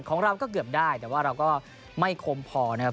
ของเราก็เกือบได้แต่ว่าเราก็ไม่คมพอนะครับ